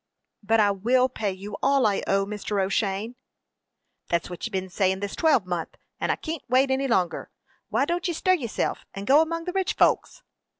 "But I will pay you all I owe, Mr. O'Shane." "That's what ye been sayin' this twelvemonth; and I can't wait any longer. Why don't ye stir yoursilf, and go among the rich folks?"